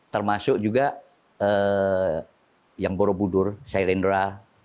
termasuk juga yang borobudur shailendra